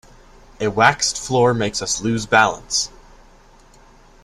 A waxed floor makes us lose balance.